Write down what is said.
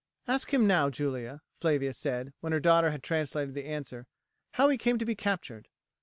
"Ask him now, Julia," Flavia said, when her daughter had translated the answer, "how he came to be captured."